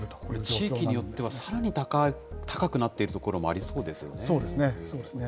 地域によっては、さらに高くなっている所もありそうですね。